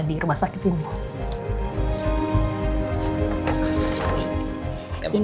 di rumah sakit ini